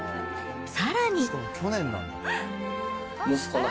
さらに。